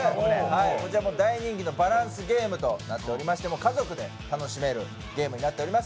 こちら大人気のバランスゲームとなっていまして、家族で楽しめるゲームになっております。